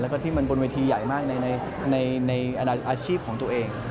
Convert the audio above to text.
แล้วก็ที่มันบนเวทีใหญ่มากในอาชีพของตัวเอง